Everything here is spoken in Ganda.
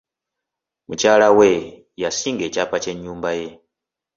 Mukyala we yasinga ekyapa ky'ennyumba ye.